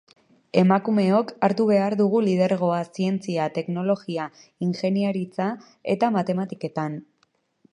Emakumeok hartu behar dugu lidergoa zientzia, teknologia, ingeniaritza eta matematiketan.